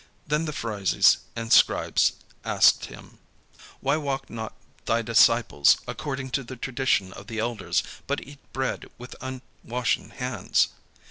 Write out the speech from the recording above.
Then the Pharisees and scribes asked him: "Why walk not thy disciples according to the tradition of the elders, but eat bread with unwashen hands?"